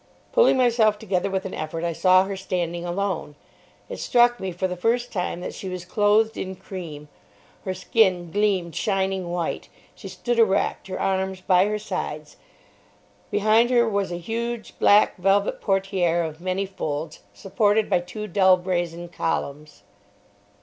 Pulling myself together with an effort, I saw her standing alone. It struck me for the first time that she was clothed in cream. Her skin gleamed shining white. She stood erect, her arms by her sides. Behind her was a huge, black velvet portière of many folds, supported by two dull brazen columns.